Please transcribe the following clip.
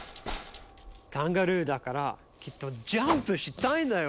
カンガルーだからきっとジャンプしたいんだよ！